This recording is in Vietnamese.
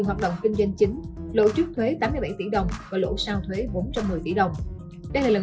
hoạt động kinh doanh chính lỗ trước thuế tám mươi bảy tỷ đồng và lỗ sau thuế bốn trăm một mươi tỷ đồng đây là lần